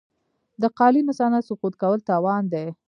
د قالینو صنعت سقوط کول تاوان دی.